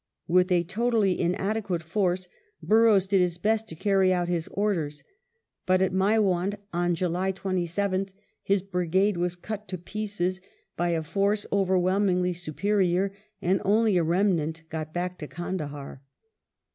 With a totally inadequate force Burrows did his best _ to carry out his orders. But at Maiwand on July 27th his brigade was cut to pieces by a force overwhelmingly supeiior, and only a remnant got back to Kandahdr.